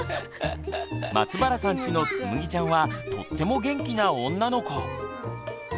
松原さんちのつむぎちゃんはとっても元気な女の子。